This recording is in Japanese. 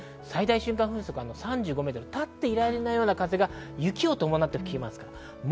最大瞬間風速は３５メートル、立っていられないような風が雪を伴って吹きそうです。